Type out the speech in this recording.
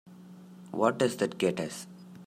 What does that get us?